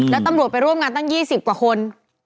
แล้วตำรวจไปร่วมงานตั้ง๒๐กว่าคน